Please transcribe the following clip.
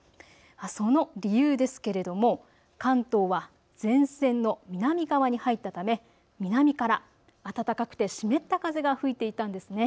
その理由ですが関東は前線の南側に入ったため南側から暖かく湿った風が吹いていたんです。